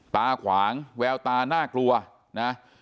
ตาขวางแววตาน่ากลัวนะ